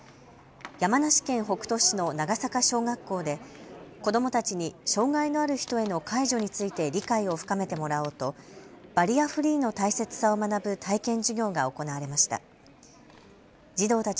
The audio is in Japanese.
山梨県北杜市の長坂小学校で子どもたちに障害のある人への介助について理解を深めてもらおうとバリアフリーの大切さを学ぶ体験授業が行われました。